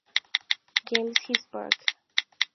James his park".